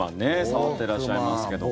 触っていらっしゃいますけど。